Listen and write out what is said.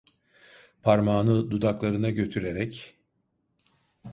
Parmağını dudaklarına götürerek: